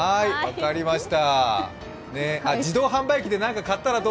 分かりました。